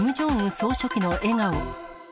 総書記の笑顔。